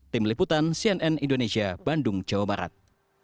tim liputan cnn indonesia bandung jawa barat